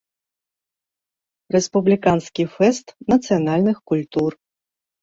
Рэспубліканскі фэсту нацыянальных культур.